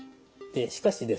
しかしですね